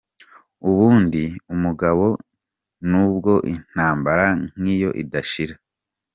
Ubu ndi umugabo nubwo intambara nkiyo idashira.